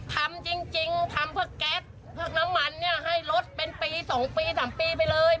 ทำจริงทำเพื่อแก๊สพวกน้ำมันเนี่ยให้ลดเป็นปี๒ปี๓ปีไปเลย